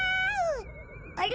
あれ？